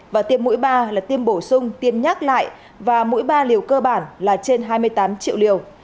và tiêm mũi ba là tiêm bổ sung tiêm nhắc lại và mũi ba liều cơ bản là trên hai mươi tám triệu liều